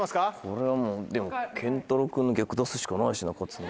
これはもうでも健太郎君の逆出すしかないしな勝つの。